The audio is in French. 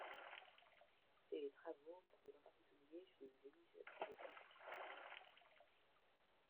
Ses travaux portent en particulier sur l'analyse du risque.